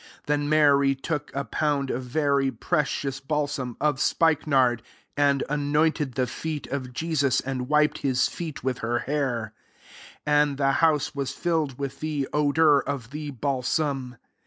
3 Then Mary took a pound of very precious balsam of spikenard, and a nointed the feet of Jesus, and wiped his feet with her hair : and the house was filled with the odour of the balsam.